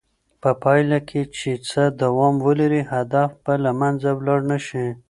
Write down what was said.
په پایله کې چې هڅه دوام ولري، هدف به له منځه ولاړ نه شي.